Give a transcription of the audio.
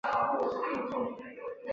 有些地区将条纹鬣狗作为宠物饲养。